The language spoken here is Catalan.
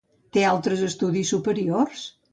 Té altres estudis superiors?